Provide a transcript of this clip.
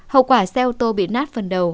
hậu quả xe ô tô bị nát phần đầu